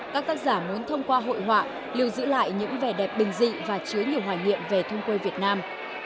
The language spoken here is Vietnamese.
các tác giả muốn thông qua hội họa lưu giữ lại những vẻ đẹp bình dị và chứa nhiều hoài nghiệm về thông quê việt nam